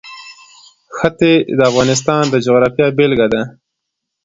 ښتې د افغانستان د جغرافیې بېلګه ده.